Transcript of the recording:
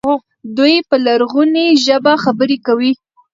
دوی په لرغونې ژبه خبرې کوي.